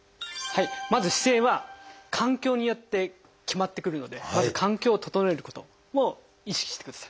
まず姿勢は環境によって決まってくるのでまず環境を整えることも意識してください。